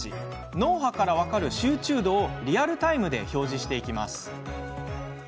脳波から分かる集中度をリアルタイムで表示しているんです。